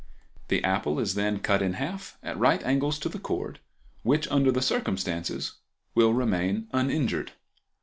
The apple is then cut in half, at right angles to the cord, which under the circumstances will remain uninjured.